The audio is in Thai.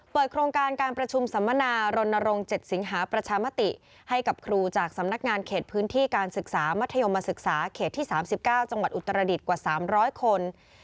โครงการการประชุมสัมมนารณรงค์๗สิงหาประชามติให้กับครูจากสำนักงานเขตพื้นที่การศึกษามัธยมศึกษาเขตที่๓๙จังหวัดอุตรดิษฐ์กว่า๓๐๐คน